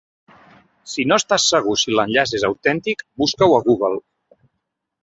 Si no estàs segur si l'enllaç és autèntic, busca-ho a Google.